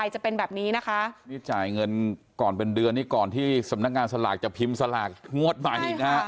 จะเป็นแบบนี้นะคะนี่จ่ายเงินก่อนเป็นเดือนนี่ก่อนที่สำนักงานสลากจะพิมพ์สลากงวดใหม่อีกนะฮะ